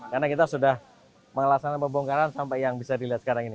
karena kita sudah mengalasannya pembongkaran sampai yang bisa dilihat sekarang ini